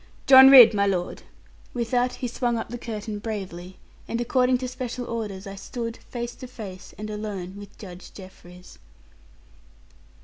John Ridd, my lord!' With that he swung up the curtain bravely, and according to special orders, I stood, face to face, and alone with Judge Jeffreys.